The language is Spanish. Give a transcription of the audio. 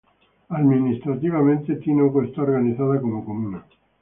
Administrativamente, Tinoco está organizada como comuna.